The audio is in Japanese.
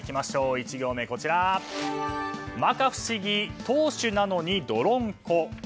１行目、摩訶不思議投手なのに泥んこ。